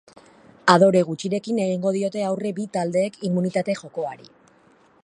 Adore gutxirekin egingo diote aurre bi taldeek immunitate jokoari.